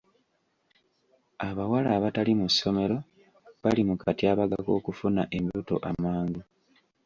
Abawala abatali mu ssomero bali mu katyabaga k'okufuna embuto amangu.